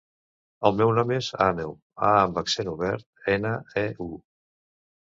El meu nom és Àneu: a amb accent obert, ena, e, u.